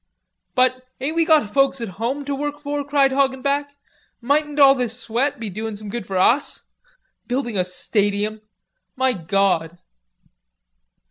"But, ain't we got folks at home to work for?" cried Hoggenback. "Mightn't all this sweat be doin' some good for us? Building a stadium! My gawd!"